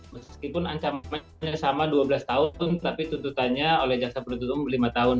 meskipun ancaman sama dua belas tahun tapi tuntutannya oleh jasa penuntut lima tahun